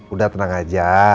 udah tenang aja